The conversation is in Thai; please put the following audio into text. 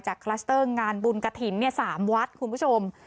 จากคลัสเตอร์งานบุญกฐิน๓วัดคุณผู้ชม